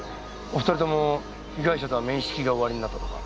お２人とも被害者とは面識がおありになったとか？